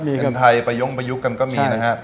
เป็นไทยไปย่งไปยุกกันก็มีนะฮะ